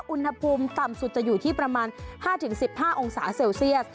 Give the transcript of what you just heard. อุณหภูมิต่ำสุดจะอยู่ที่ประมาณ๕๑๕องศาเซลเซียส